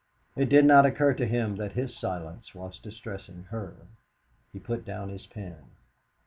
It did not occur to him that his silence was distressing her. He put down his pen.